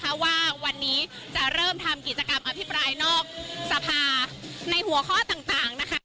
เพราะว่าวันนี้จะเริ่มทำกิจกรรมอภิปรายนอกสภาในหัวข้อต่างนะคะ